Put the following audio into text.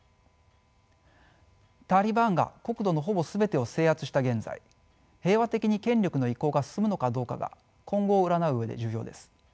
タリバンが国土のほぼ全てを制圧した現在平和的に権力の移行が進むのかどうかが今後を占う上で重要です。